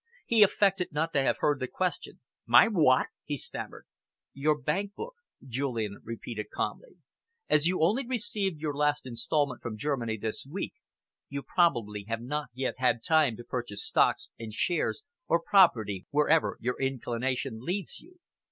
He affected not to have heard the question. "My what?" he stammered. "Your bank book," Julian repeated calmly. "As you only received your last instalment from Germany this week, you probably have not yet had time to purchase stocks and shares or property wherever your inclination leads you.